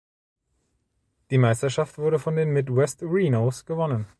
Die Meisterschaft wurde von den Mid West Rhinos gewonnen.